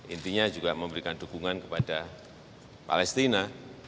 intinya juga memberikan dukungan kepada palestina